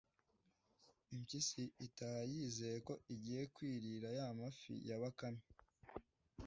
impyisi itaha yizeye ko igiye kwirira ya mafi ya bakarne